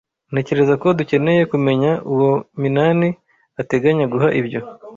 Ntekereza ko dukeneye kumenya uwo Minani ateganya guha ibyo.